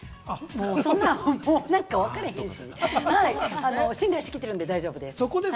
そんなのわかれへんし、信頼しきってるので大丈夫です。